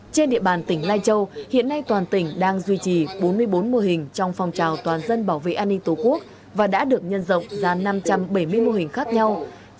trên địa bàn tỉnh lai châu hiện nay toàn tỉnh đang duy trì bốn mươi bốn mô hình trong phòng trào toàn dân bảo vệ an ninh tổ quốc và đã được nhân rộng ra năm trăm bảy mươi mô hình khác nhau